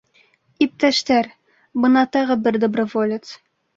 — Иптәштәр, бына тағы бер доброволец.